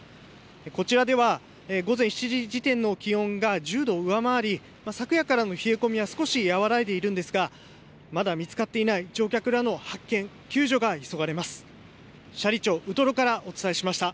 こちらでは、午前７時時点の気温が１０度を上回り、昨夜からの冷え込みは少し和らいでいるんですが、まだ見つかっていない乗客らの発見、救助が急がれます。